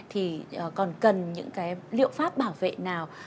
thì còn cần những liệu pháp bảo vệ nào